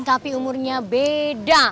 tapi umurnya beda